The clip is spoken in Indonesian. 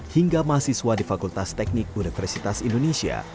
hingga mahasiswa di fakultas teknik universitas indonesia